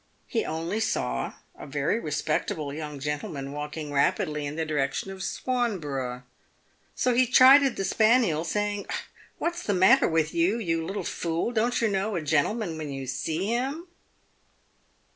He only saw a very respectable young gentleman walking rapidly in the direc tion of Swanborough. So he chided the spaniel, saying, " What's the matter with you, you little fool ! don't you know a gentleman when you see him